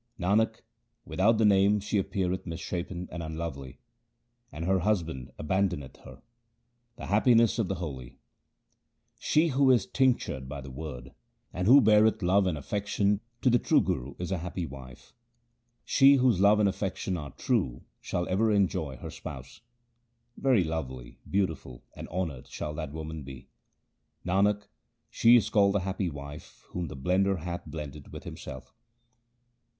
Nanak, without the Name she appeareth misshapen and unlovely, and her husband abandoneth her. The happiness of the holy :— She who is tinctured by the Word, and who beareth love and affection to the true Guru is a happy wife. She whose love and affection are true, shall ever enjoy her Spouse. Very lovely, beautiful, and honoured shall that woman be. Nanak, she is called the happy wife whom the Blender hath blended with Himself.